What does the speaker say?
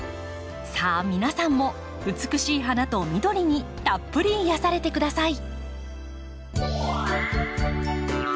さあ皆さんも美しい花と緑にたっぷり癒やされてください。